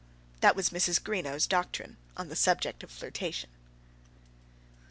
That was Mrs. Greenow's doctrine on the subject of flirtation.